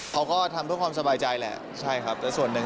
เขาก็ทำเพื่อความสบายใจแหละใช่ครับแต่ส่วนหนึ่ง